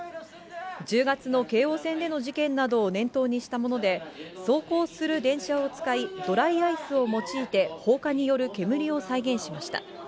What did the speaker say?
１０月の京王線での事件などを念頭にしたもので、走行する電車を使い、ドライアイスを用いて、放火による煙を再現しました。